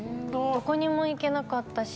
どこにも行けなかったし。